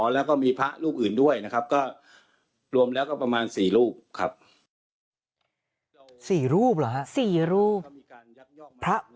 สี่รูปเหรอสี่รูป